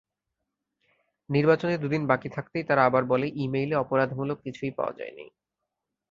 নির্বাচনের দুদিন বাকি থাকতেই তারা আবার বলে, ই-মেইলে অপরাধমূলক কিছুই পাওয়া যায়নি।